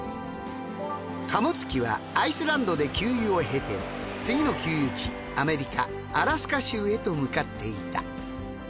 貨物機はアイスランドで給油を経て次の給油地アメリカアラスカ州へと向かっていた。